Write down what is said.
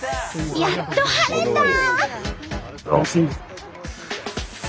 やっと晴れた！